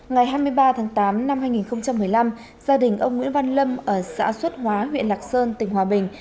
ngày hai mươi ba tháng tám năm hai nghìn một mươi năm gia đình ông nguyễn văn lâm ở xã xuất hóa huyện lạc sơn tỉnh hòa bình